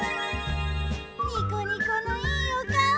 ニッコニコいいおかお。